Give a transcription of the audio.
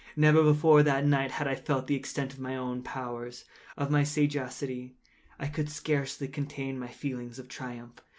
Never before that night had I felt the extent of my own powers—of my sagacity. I could scarcely contain my feelings of triumph.